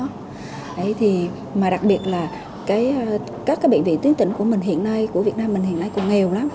thế thì mà đặc biệt là các cái bệnh viện tuyến tỉnh của mình hiện nay của việt nam mình hiện nay còn nghèo lắm